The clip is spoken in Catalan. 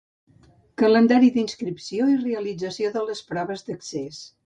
Calendari d'inscripció i realització de les proves d'accés.